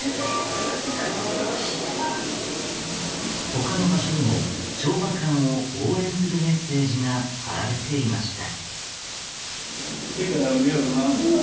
他の場所にも昭和館を応援するメッセージが貼られていました。